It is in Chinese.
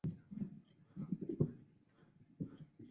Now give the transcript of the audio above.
束丝菝葜为百合科菝葜属下的一个种。